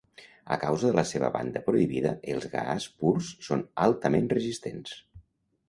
A causa de la seva banda prohibida, els GaAs purs són altament resistens.